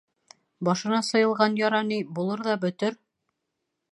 Башына сыйылған яра ни, булыр ҙа бөтөр.